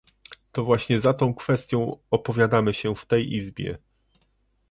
To właśnie za tą kwestią opowiadamy się w tej Izbie